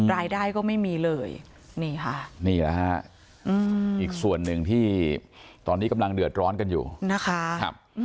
รายได้ก็ไม่มีเลยนี่ค่ะนี่แหละฮะอีกส่วนหนึ่งที่ตอนนี้กำลังเดือดร้อนกันอยู่นะคะ